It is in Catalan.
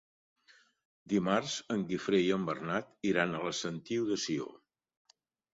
Dimarts en Guifré i en Bernat iran a la Sentiu de Sió.